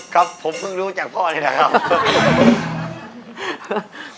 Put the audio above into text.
ครับผมเพิ่งรู้จักพ่อนี่แหละครับ